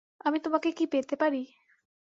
আমি তোমাকে কি পেতে পারি?